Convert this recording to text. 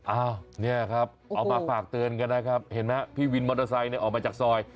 อ้าวเนี่ยครับเอามาฝากเตือนกันนะครับเห็นไหมพี่วินมอเตอร์ไซค์เนี่ยออกมาจากซอย